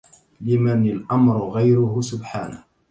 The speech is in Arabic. لمن الأمر غيره سبحانه